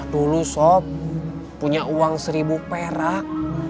dulu sop punya uang seribu perak